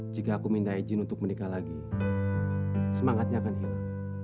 jika aku minta izin untuk menikah lagi semangatnya akan hilang